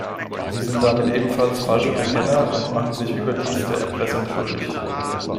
Sie sind damit ebenfalls „Falsche Bekenner“ und machen sich überdies der Erpressung schuldig.